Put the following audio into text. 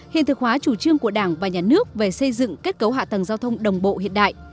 hiện thực hóa chủ trương của đảng và nhà nước về xây dựng kết cấu hạ tầng giao thông đồng bộ hiện đại